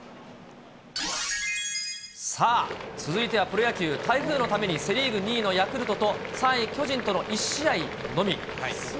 さあ、続いてはプロ野球、台風のためにセ・リーグ２位のヤクルトと３位巨人との１試合のみ。